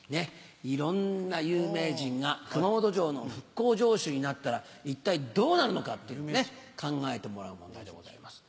いろんな有名人が熊本城の復興城主になったら一体どうなるのかっていうね考えてもらう問題でございます。